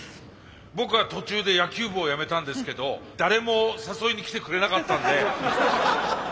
僕は途中で野球部をやめたんですけど誰も誘いに来てくれなかったんで。